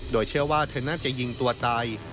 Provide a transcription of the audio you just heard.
โดยเชื่อว่าเธอน่าจะยิงตัวตาย